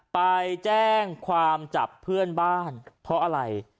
ไปแจ้งความจับเพื่อนบ้านเพราะอะไร